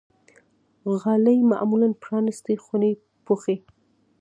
غالۍ معمولا پرانيستې خونې پوښي.